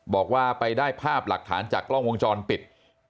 บอกว่าไปได้ภาพหลักฐานจากกล้องวงจรปิด